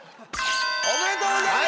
おめでとうございます！